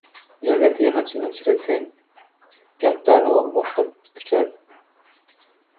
Yoʻlda temirchini uchratsang, gap darrov oʻroqqa koʻchadi